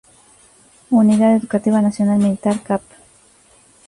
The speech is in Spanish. Unidad Educativa Nacional Militar Cap.